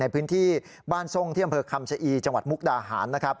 ในพื้นที่บ้านทรงเที่ยงบริเวณคำชะอีจังหวัดมุกดาหาร